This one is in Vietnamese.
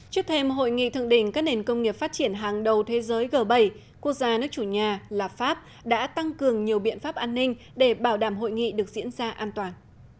trước thêm hội nghị thượng đỉnh các nền công nghiệp phát triển hàng đầu thế giới g bảy quốc gia nước chủ nhà là pháp đã tăng cường nhiều biện pháp an ninh để bảo đảm hội nghị được diễn ra an toàn